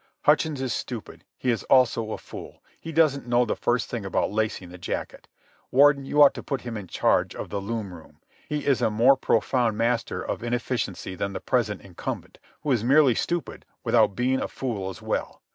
Hutchins is stupid. He is also a fool. He doesn't know the first thing about lacing the jacket. Warden, you ought to put him in charge of the loom room. He is a more profound master of inefficiency than the present incumbent, who is merely stupid without being a fool as well.